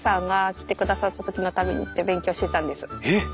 えっ！